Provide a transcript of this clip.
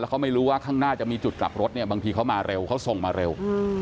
เขาไม่รู้ว่าข้างหน้าจะมีจุดกลับรถเนี่ยบางทีเขามาเร็วเขาส่งมาเร็ว